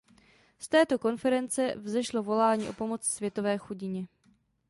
Z této konference vzešlo volání o pomoc světové chudině.